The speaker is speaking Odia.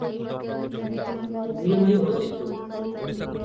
ତୁନି ହୋଇ ବସିଛୁ?